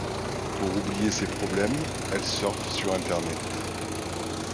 Pour oublier ses problèmes, elle surfe sur Internet.